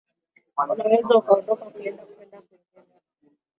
Unaweza ukaondoka, ukaenda kupenda pengine